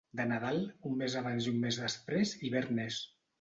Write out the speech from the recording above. De Nadal, un mes abans i un mes després, hivern és.